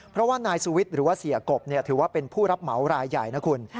เพราะว่านายสุวิทย์หรือว่าเสียกบถือว่าเป็นผู้รับเหมารายใหญ่นะคุณ